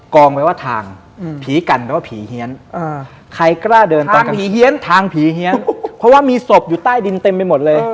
กองแปลว่าทางผีกันแปลว่าผีเหี้ยนทางผีเหี้ยนเพราะว่ามีศพอยู่ใต้ดินเต็มไปหมดเลย